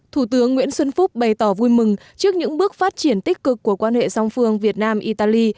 thủ tướng nguyễn xuân phúc bày tỏ vui mừng trước những bước phát triển tích cực của quan hệ song phương việt nam italy